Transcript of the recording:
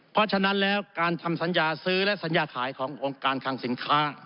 เพราะฉะนั้นแล้วการทำสัญญาซื้อและสัญญาขายขององค์การคังสินค้า